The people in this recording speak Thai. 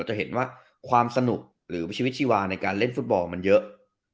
จะเห็นว่าความสนุกหรือชีวิตชีวาในการเล่นฟุตบอลมันเยอะ